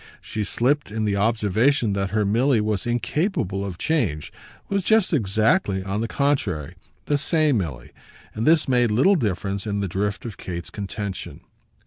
She slipped in the observation that her Milly was incapable of change, was just exactly, on the contrary, the same Milly; but this made little difference in the drift of Kate's contention.